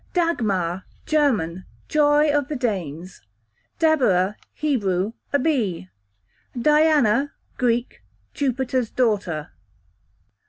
Dagmar, German, joy of the Danes. Deborah, Hebrew, a bee. Diana, Greek, Jupiter's daughter.